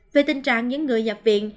về tình trạng những người nhập viện